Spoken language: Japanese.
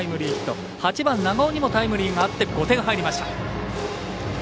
８番、長尾にもタイムリーがあって５点、入りました。